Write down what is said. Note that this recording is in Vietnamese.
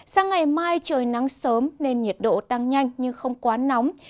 sang ngày mai trời nắng sớm nên nhiệt độ tăng nhanh nhưng không quá nóng